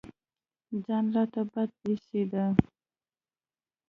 ځان راته بد اېسېد.